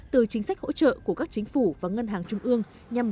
từ chính sách hỗ trợ của các chính phủ và ngân hàng